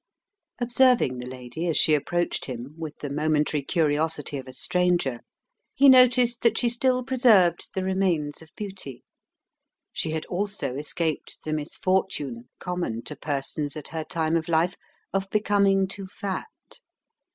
Observing the lady as she approached him with the momentary curiosity of a stranger, he noticed that she still preserved the remains of beauty. She had also escaped the misfortune, common to persons at her time of life, of becoming too fat.